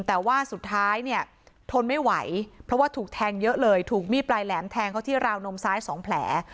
แต่ว่าสุดท้ายเนี่ยทนไม่ไหวเพราะว่าถูกแทงเยอะเลยถูกมีดปลายแหลมแทงเขาที่ราวนมซ้าย๒แผล